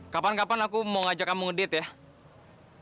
kapan kapan aku mau ngajak kamu ngedit ya